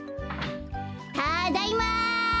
たっだいま。